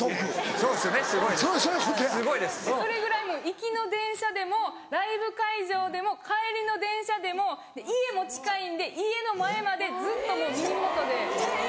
それぐらいもう行きの電車でもライブ会場でも帰りの電車でも家も近いんで家の前までずっともう耳元で。